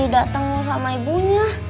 dateng sama ibunya